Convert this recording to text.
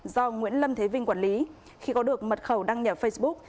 do nguyễn lâm thế vinh quản lý khi có được mật khẩu đăng nhập facebook